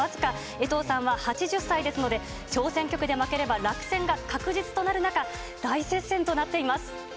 衛藤さんは８０歳ですので、小選挙区で負ければ落選が確実となる中、大接戦となっています。